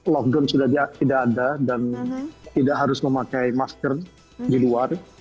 lockdown sudah tidak ada dan tidak harus memakai masker di luar